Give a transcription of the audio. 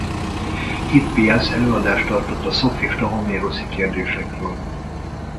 Hippiasz előadást tartott a szofista homéroszi kérdésekről.